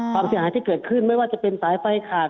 ความเสียหายที่เกิดขึ้นไม่ว่าจะเป็นสายไฟขาด